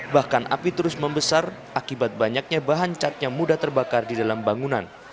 bahkan api terus membesar akibat banyaknya bahan cat yang mudah terbakar di dalam bangunan